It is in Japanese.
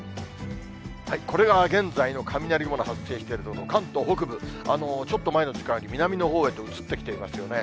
これが現在の雷雲の発生している所、関東北部、ちょっと前の時間より、南のほうへと移ってきていますよね。